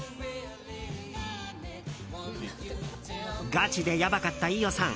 ガチでやばかった飯尾さん。